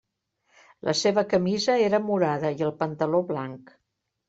La seva camisa era morada i el pantaló blanc.